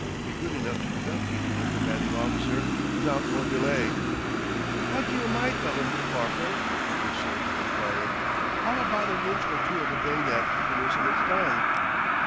Be good enough to conduct me to your commanding officer without more delay." "Wot do yer mike of 'im, corp'ril?" the first soldier enquired. "'Ow abaht an inch or two o' the bay'net to loosen 'is tongue?"